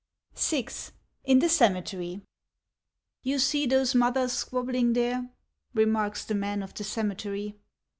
VI IN THE CEMETERY "YOU see those mothers squabbling there?" Remarks the man of the cemetery.